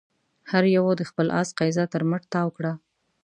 هر يوه د خپل آس قيضه تر مټ تاو کړه.